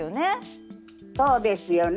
そうですよね。